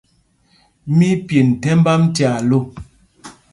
Mí í pyend thɛmb ām tyaa lô.